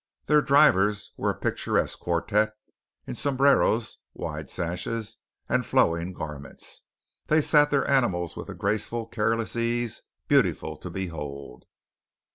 Their drivers were a picturesque quartette in sombreros, wide sashes, and flowing garments. They sat their animals with a graceful careless ease beautiful to behold.